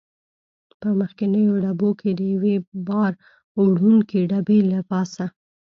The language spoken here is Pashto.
په مخکنیو ډبو کې د یوې بار وړونکې ډبې له پاسه.